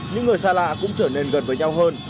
những người xa lạ cũng trở nên gần với nhau hơn